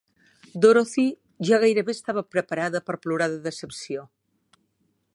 Dorothy ja gairebé estava preparada per plorar de decepció.